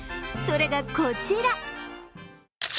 それがこちら。